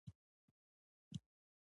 زما په برخه به نن ولي دا ژړاوای